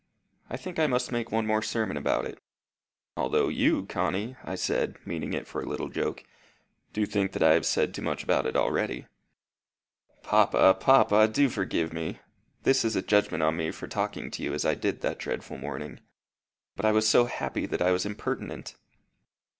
I think I must make one more sermon about it although you, Connie," I said, meaning it for a little joke, "do think that I have said too much about it already." "Papa, papa! do forgive me. This is a judgment on me for talking to you as I did that dreadful morning. But I was so happy that I was impertinent."